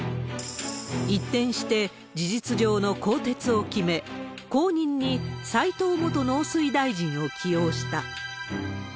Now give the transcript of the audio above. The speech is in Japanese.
一転して、事実上の更迭を決め、後任に、齋藤元農水大臣を起用した。